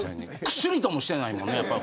くすりともしてないもんね。